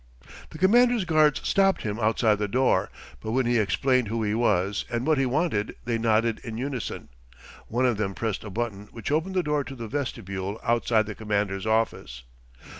The Commander's guards stopped him outside the door, but when he explained who he was and what he wanted, they nodded in unison. One of them pressed a button which opened the door to the vestibule outside the Commander's office.